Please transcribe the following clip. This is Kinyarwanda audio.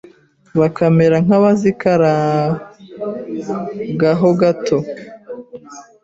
bakamera nk’abazikaranga ho gato,